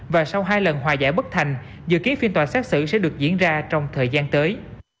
và sau hai lần hòa giải bất thành dự kiến phiên tòa xét xử sẽ được diễn ra trong thời gian tới